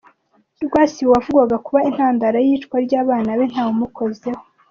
Rwasibo wavugwaga kuba intandaro y’iyicwa ry’abana be, ntawamukozeho.